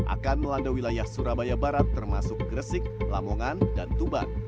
akan melanda wilayah surabaya barat termasuk gresik lamongan dan tuban